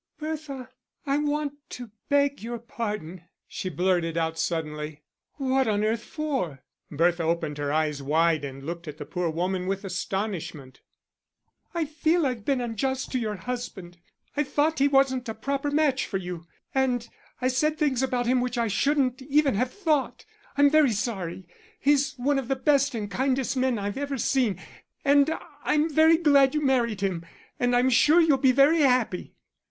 "Bertha, I want to beg your pardon," she blurted out suddenly. "What on earth for?" Bertha opened her eyes wide and looked at the poor woman with astonishment. "I feel I've been unjust to your husband. I thought he wasn't a proper match for you, and I said things about him which I shouldn't even have thought. I'm very sorry. He's one of the best and kindest men I've ever seen, and I'm very glad you married him, and I'm sure you'll be very happy."